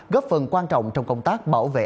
góp phần quan trọng trong công tác bảo vệ